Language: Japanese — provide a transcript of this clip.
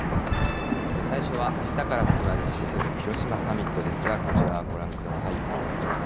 最初は明日から始まるＧ７広島サミットですが、こちらご覧ください。